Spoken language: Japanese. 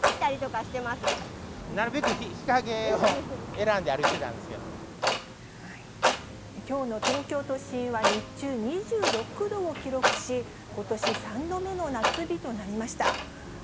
きゅうすい速乾機能が付いたなるべく日陰を選んで歩いてきょうの東京都心は日中２６度を記録し、ことし３度目の夏日となりました。